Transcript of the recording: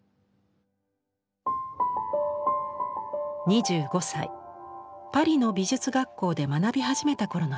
２５歳パリの美術学校で学び始めた頃の作品。